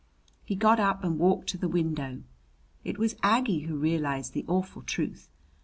He got up and walked to the window. It was Aggie who realized the awful truth.